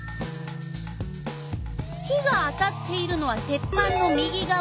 火が当たっているのは鉄板の右がわだけ。